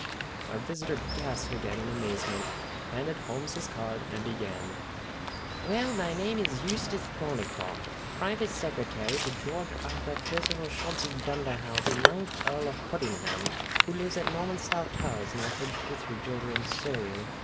Our visitor gasped again in amazement, handed Holmes his card, and began: "Well, my name is Eustace Thorneycroft, private secretary to George Arthur Percival Chauncey Dunderhaugh, the ninth Earl of Puddingham, who lives at Normanstow Towers, near Hedge gutheridge, over in Surrey.